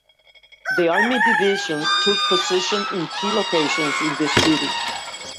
The army divisions took position in key locations in the city.